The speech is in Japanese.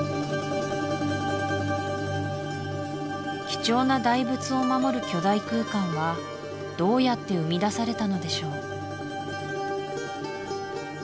貴重な大仏を守る巨大空間はどうやって生みだされたのでしょう？